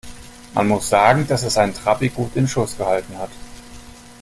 Man muss sagen, dass er seinen Trabi gut in Schuss gehalten hat.